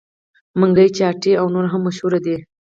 منګي چاټۍ او نور هم مشهور دي.